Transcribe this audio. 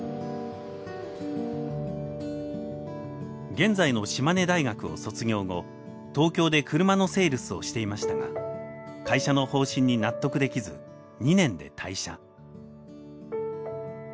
現在の島根大学を卒業後東京で車のセールスをしていましたが会社の方針に納得できず２年で退社。